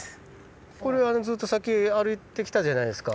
これずっとさっき歩いてきたじゃないですか。